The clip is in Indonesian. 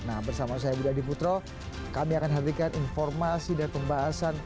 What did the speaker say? nah bersama saya budi adiputro kami akan hadirkan informasi dan pembahasan